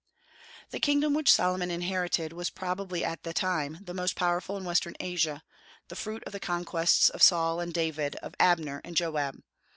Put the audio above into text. The kingdom which Solomon inherited was probably at that time the most powerful in western Asia, the fruit of the conquests of Saul and David, of Abner and Joab.